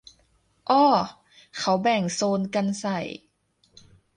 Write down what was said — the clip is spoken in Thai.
อ้อ เขาแบ่งโซนกันใส่